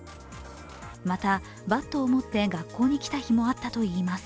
また、バットを持って学校に来た日もあったといいます。